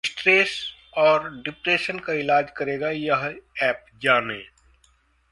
stress और depression का इलाज करेगा यह ऐप, जानें